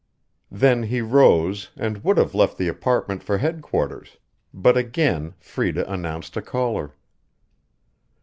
Then he rose and would have left the apartment for headquarters, but again Freda announced a caller.